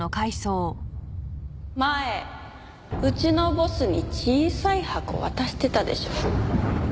前うちのボスに小さい箱渡してたでしょ？